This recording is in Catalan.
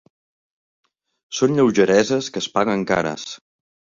Són lleugereses que es paguen cares.